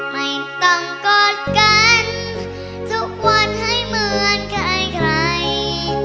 ไม่ต้องกอดกันทุกวันให้เหมือนใคร